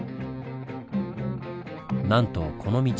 なんとこの道